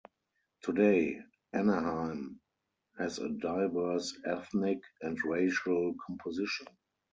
Today, Anaheim has a diverse ethnic and racial composition.